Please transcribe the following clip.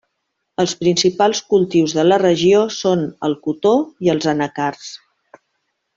Els principals cultius de la regió són el cotó i els anacards.